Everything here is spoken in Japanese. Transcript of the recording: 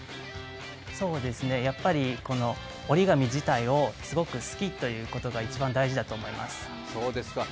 やっぱり折り紙自体をすごく好きということが一番大事だと思います。